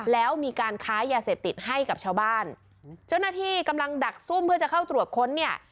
แล้วมีการค้ายาเสพติดให้กับชาวบ้านเจ้าหน้าที่กำลังดักซุ่มเพื่อจะเข้าตรวจค้นเนี่ย